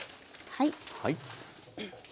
はい。